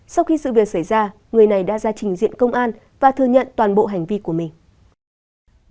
sau khi sự việc xảy ra người này đã ra trình diện công an và thừa nhận toàn bộ hành vi của mình